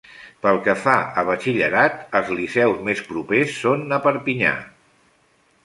Pel que fa a batxillerat, els liceus més propers són a Perpinyà.